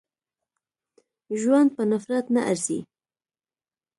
ژوند په نفرت نه ارزي.